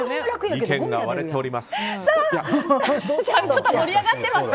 意見が割れております。